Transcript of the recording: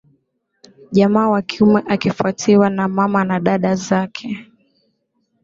jamaa wa kiume akifuatiwa na mama na dada zake